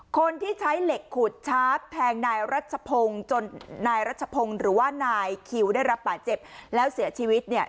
คนที่ใช้เหล็กขูดชาร์ฟแทงนายรัชพงศ์จนนายรัชพงศ์หรือว่านายคิวได้รับบาดเจ็บแล้วเสียชีวิตเนี่ย